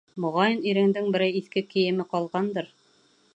Моғайын, иреңдең берәй иҫке кейеме ҡалғандыр.